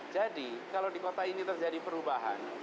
kalau di kota ini terjadi perubahan